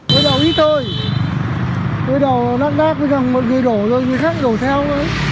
đối đầu ít thôi đối đầu nặng nát bây giờ một người đổ thôi người khác đổ theo